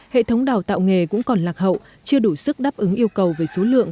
hệ thống đào tạo nghề cũng còn lạc hậu chưa đủ sức đáp ứng yêu cầu về số lượng